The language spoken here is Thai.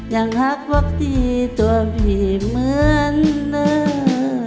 ยังฮักวัคดีตัวผีเหมือนเหนื่อย